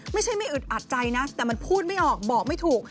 ไม่ใช่ไม่อึดอัดใจนะแต่มันพูดไม่ออกบอกไม่ถูก